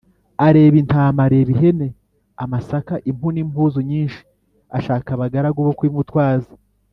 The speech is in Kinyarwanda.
arebaintama, areba ihene, amasaka, impu n' impuzu nyinshi, ashaka abagaragu bo kubimutwaza